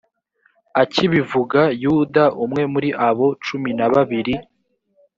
akibivuga yuda umwe muri abo cumi na babiri